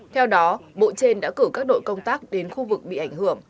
theo đó bộ trên đã cử các đội công tác đến khu vực bị ảnh hưởng